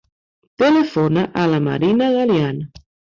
Telefona a la Marina Galian.